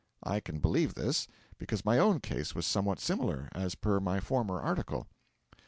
I can believe this, because my own case was somewhat similar, as per my former article.